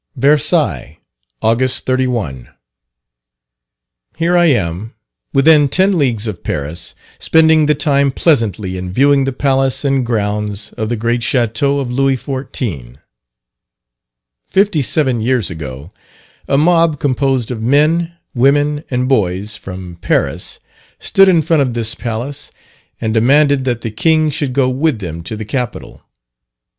_ VERSAILLES, August 31. Here I am, within ten leagues of Paris, spending the time pleasantly in viewing the palace and grounds of the great Chateau of Louis XIV. Fifty seven years ago, a mob, composed of men, women, and boys, from Paris, stood in front of this palace and demanded that the king should go with them to the capital.